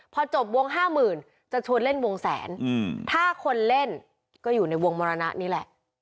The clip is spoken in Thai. พอจบวงห้าหมื่นจะชวนเล่นวงแสนถ้าคนเล่นก็อยู่ในวงมรณะนี่แหละ